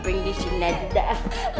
bring disini aja dong